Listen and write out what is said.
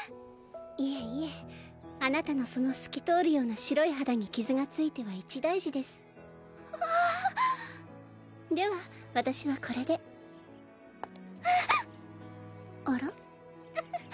いえいえあなたのその透き通るような白い肌に傷がついては一大事ですわあっでは私はこれであら？